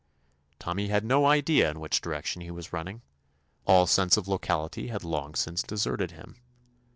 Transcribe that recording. Tommy had no idea in which direction he was run ning. All sense of locality had long since deserted him.